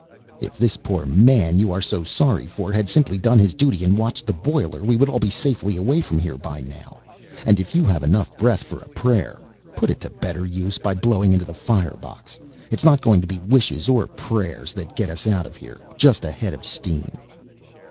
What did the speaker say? "If this poor man you are so sorry for had simply done his duty and watched the boiler, we would all be safely away from here by now. And if you have enough breath for a prayer, put it to better use by blowing into the firebox. It's not going to be wishes or prayers that gets us out of here, just a head of steam."